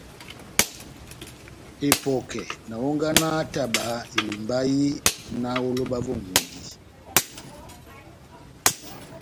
Epɔkɛ na hónganaha taba elimbahi náh lóba vó ŋʼhodi.